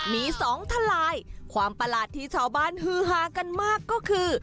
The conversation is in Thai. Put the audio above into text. มีสองทลายความประหลาดที่ชาวบ้านฮือฮากันมากก็คือ